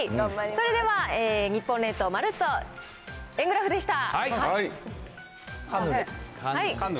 それでは日本列島まるっと円グラフでした。